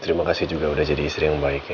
terima kasih juga udah jadi istri yang baik ya